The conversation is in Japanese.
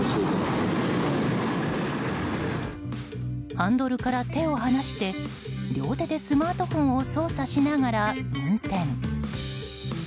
ハンドルから手を離して両手でスマートフォンを操作しながら運転。